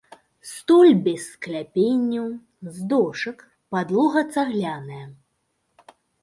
Столь без скляпенняў, з дошак, падлога цагляная.